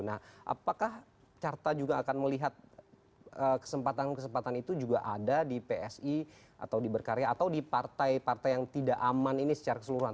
nah apakah carta juga akan melihat kesempatan kesempatan itu juga ada di psi atau di berkarya atau di partai partai yang tidak aman ini secara keseluruhan